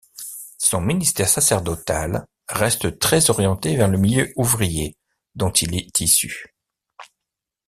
Son ministère sacerdotal reste très orienté vers le milieu ouvrier dont il est issu.